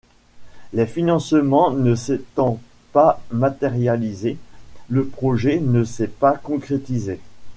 Les financements ne s'étant pas matérialisés, le projet ne s'est pas concrétisé.